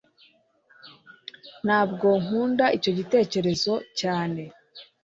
ntabwo nkunda icyo gitekerezo cyane